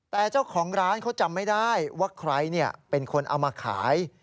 แต่เจ้าของร้านเขาจำไม่ได้ว่าใครเป็นคนเอามาขาย